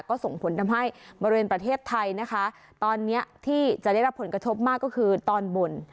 ก็ส่งผลทำให้บริเวณประเทศไทยนะคะตอนนี้ที่จะได้รับผลกระทบมากก็คือตอนบน